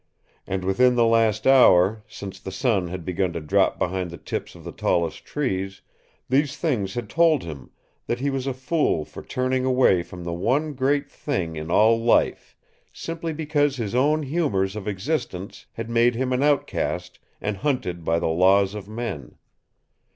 And within the last hour, since the sun had begun to drop behind the tips of the tallest trees, these things had told him that he was a fool for turning away from the one great thing in all life simply because his own humors of existence had made him an outcast and hunted by the laws of men.